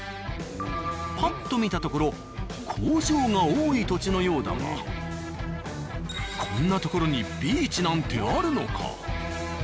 パッと見たところ工場が多い土地のようだがこんな所にビーチなんてあるのか？